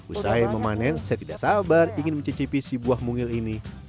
usai memanen saya tidak sabar ingin mencicipi si buah mungil ini